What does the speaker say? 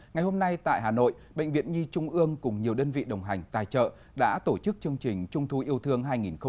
ngày hôm nay tại hà nội bệnh viện nhi trung ương cùng nhiều đơn vị đồng hành tài trợ đã tổ chức chương trình trung thu yêu thương hai nghìn một mươi chín